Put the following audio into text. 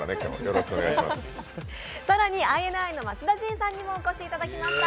更にＩＮＩの松田迅さんにもお越しいただきました。